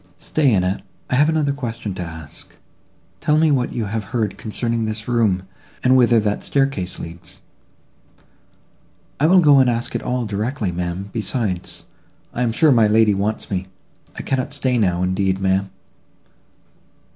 "Stay, Annette, I have another question to ask; tell me what you have heard concerning this room, and whither that staircase leads." "I will go and ask it all directly, ma'am; besides, I am sure my lady wants me. I cannot stay now, indeed, ma'am."